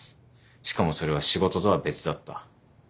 しかもそれは仕事とは別だった。